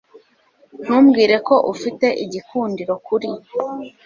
Ntumbwire ko ufite igikundiro kuri .